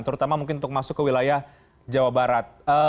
terutama mungkin untuk masuk ke wilayah jawa barat